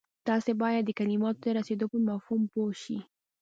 تاسې بايد د کلماتو د رسېدو پر مفهوم پوه شئ.